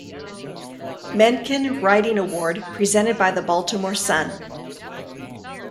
Mencken Writing Award presented by the "Baltimore Sun".